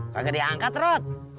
kagak diangkat rod